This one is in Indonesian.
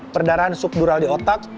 perdaraan subdural di otak